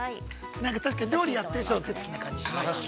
◆なんか確かに料理やってる人の手つきな感じがしますね。